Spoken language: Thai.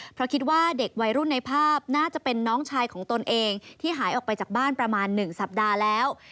เพราะคิดว่าเด็กวัยรุ่นในภาพน่าจะเป็นน้องชายของตนเองที่หายออกไปจากบ้านประมาณ๑สัปดาห์แล้ว